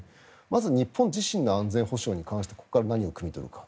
まず日本自身の安全保障に関してここから何をくみ取るか。